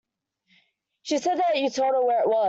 She said you told her where it was.